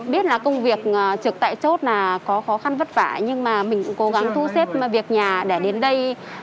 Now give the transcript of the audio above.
biết là công việc trực tại chốt là có khó khăn vất vả nhưng mà mình cũng cố gắng thu xếp việc nhà để đến đây